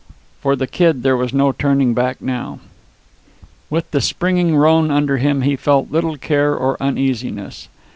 For the Kid there was no turning back now. With the springing roan under him he felt little care or uneasiness.